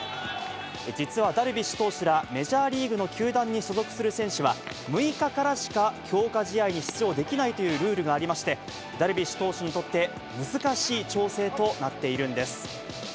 実はダルビッシュ投手ら、メジャーリーグの球団に所属する選手は、６日からしか強化試合に出場できないというルールがありまして、ダルビッシュ投手にとって、難しい調整となっているんです。